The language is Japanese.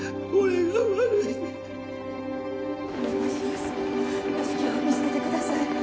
由樹を見つけてください